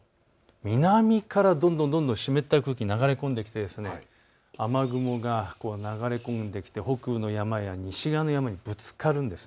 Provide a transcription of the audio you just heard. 南からどんどん湿った空気が流れ込んできて雨雲が流れ込んできて北部の山や西側の山にぶつかるんです。